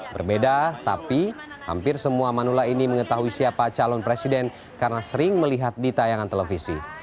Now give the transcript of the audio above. berbeda tapi hampir semua manula ini mengetahui siapa calon presiden karena sering melihat di tayangan televisi